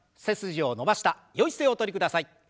背筋を伸ばしたよい姿勢おとりください。